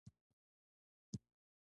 په افغانستان کې هندوکش شتون لري.